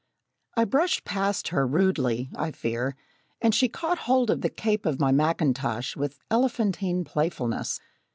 I brushed past her, rudely, I fear, and she caught hold of the cape of my mackintosh with elephantine playfulness.